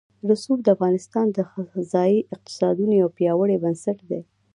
رسوب د افغانستان د ځایي اقتصادونو یو پیاوړی بنسټ دی.